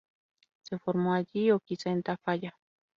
Se formó allí o quizá en Tafalla.